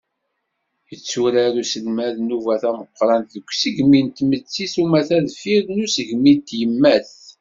Yetturar uselmad nnuba tameqqṛant deg usegmi n tmetti s umata deffir n usegmi n tyemmat.